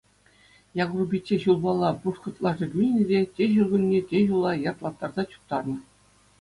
Якур пичче ҫулпала пушкӑрт лаши кӳлнӗ те, те ҫуркунне, те ҫулла яртлаттарса чуптарнӑ.